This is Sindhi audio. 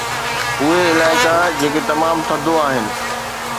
اهي علائقا جيڪي تمام ٿڌو آهن